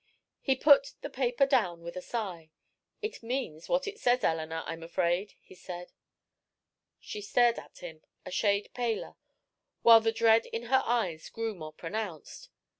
He put the paper down with a sigh. "It means what it says, Eleanor, I'm afraid," he said. She stared at him, a shade paler, while the dread in her eyes grew more pronounced.